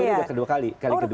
itu udah kedua kali kali keduanya